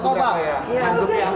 berlangsung merdokok pak